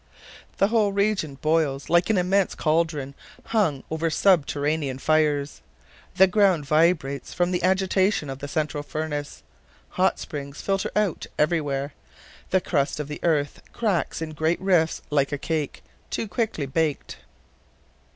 The whole region boils like an immense cauldron hung over subterranean fires. The ground vibrates from the agitation of the central furnace. Hot springs filter out everywhere. The crust of the earth cracks in great rifts like a cake, too quickly baked.